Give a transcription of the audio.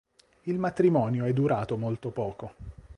Il matrimonio è durato molto poco.